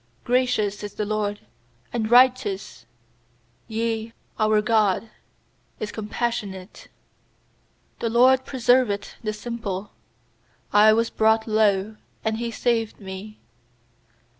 7 6Gracious is the LORD, and righteous Yea, our God is compassionate 6The LORD preserveth the simple; I was brought low, and He saved me.